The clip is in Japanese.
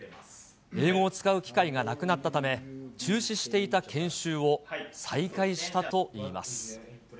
英語を使う機会がなくなったため、中止していた研修を再開したといいます。